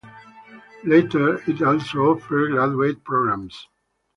Later it also offered graduate programs.